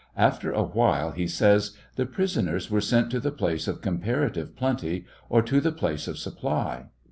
"After awhile," he says, "the prisoners were sent to the place of comparative plenty, or to the place of supply."